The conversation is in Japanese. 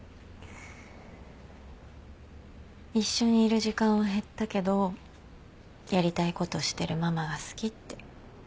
一緒にいる時間は減ったけどやりたいことしてるママが好きって。